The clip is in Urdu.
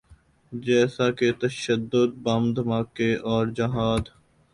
جیسا کہ تشدد، بم دھماکے اورجہاد۔